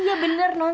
iya bener non sayurnya